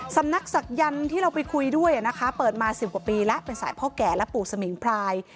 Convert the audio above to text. สำนักศักยันต์ที่เราไปคุยด้วยนะคะเปิดมา๑๐กว่าปีแล้วเป็นสายพ่อแก่และปู่สมิงพราย